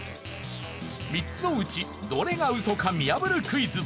３つのうちどれがウソか見破るクイズ。